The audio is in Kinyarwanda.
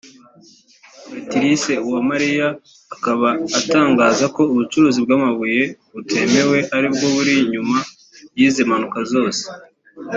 Beatrice Uwamariya akaba atangaza ko ubucukuzi bw’amabuye butemewe aribwo buri inyuma y’izi mpanuka zose